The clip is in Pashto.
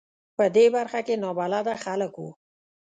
په دې برخه کې نابلده خلک و.